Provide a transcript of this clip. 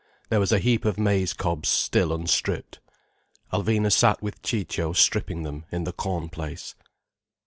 There was a heap of maize cobs still unstripped. Alvina sat with Ciccio stripping them, in the corn place.